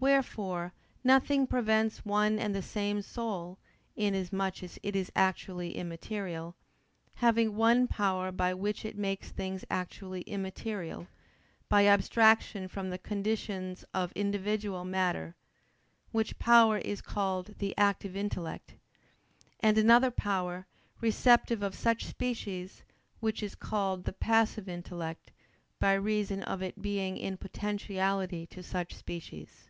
Wherefore nothing prevents one and the same soul, inasmuch as it is actually immaterial, having one power by which it makes things actually immaterial, by abstraction from the conditions of individual matter: which power is called the "active intellect"; and another power, receptive of such species, which is called the "passive intellect" by reason of its being in potentiality to such species.